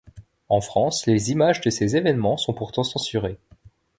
En France, les images de ces événements sont pourtant censurées.